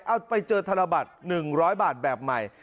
เอาไปเจอธนบัตร๑๐๐บาทแบบใหม่